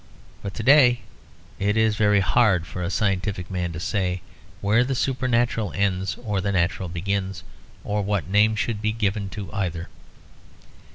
But to day it is very hard for a scientific man to say where the supernatural ends or the natural begins, or what name should be given to either.